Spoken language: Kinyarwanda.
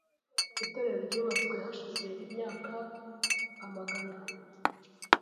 Itorero ryubatswe hashize imyaka amagana.